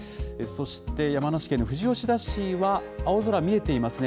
そして、山梨県の富士吉田市は青空、見えていますね。